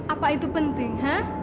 apa itu penting